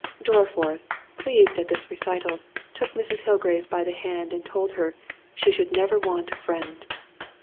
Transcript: Dorriforth, pleased at this recital, took Mrs. Hillgrave by the hand, and told her, "she should never want a friend."